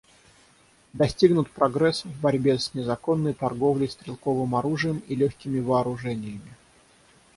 Достигнут прогресс в борьбе с незаконной торговлей стрелковым оружием и легкими вооружениями.